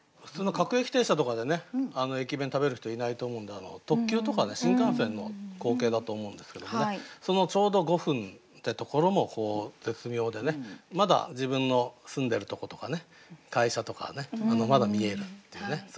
普通の各駅停車とかでね駅弁食べる人はいないと思うんで特急とか新幹線の光景だと思うんですけどもねそのちょうど「五分」ってところもこう絶妙でねまだ自分の住んでるとことか会社とかねまだ見えるっていうね。